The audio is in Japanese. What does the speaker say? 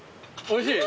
おいしい！